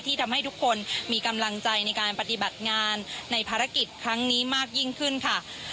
ทำให้ทุกคนมีกำลังใจในการปฏิบัติงานในภารกิจครั้งนี้มากยิ่งขึ้นค่ะ